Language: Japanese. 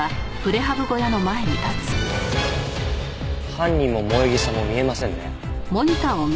犯人も萌衣さんも見えませんね。